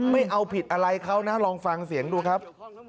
ไม่เอาผิดอะไรเขานะลองฟังเสียงดูครับ